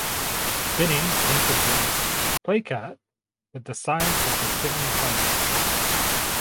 Binning painted the "play cart" with the signs of the seven planets.